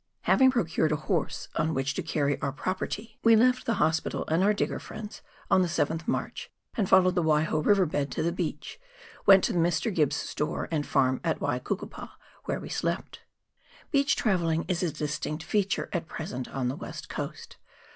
Hav ing procured a horse on which to carry our property, we left COOK EIVER — BALFOUR GLACIER. 81 the Hospital and our digger friends on the 7tli March, and following the Waiho river bed to the beach, went to Mr. Gibb's store and farm at the Waikukupa, where we slept. Beach travelling is a distinct feature at present on the West Coast.